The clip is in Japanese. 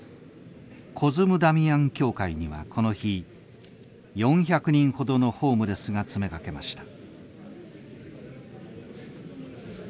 コズムダミアン教会にはこの日４００人ほどのホームレスが詰めかけました。